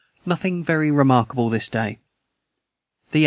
Nothing very remarkable this day. the 8.